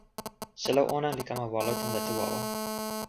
selo ona li kama walo tan lete wawa.